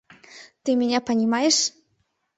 — Ты меня понимаешь?